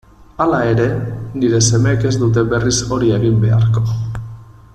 Hala ere, nire semeek ez dute berriz hori egin beharko.